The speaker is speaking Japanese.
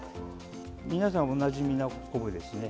皆さんおなじみな昆布ですね。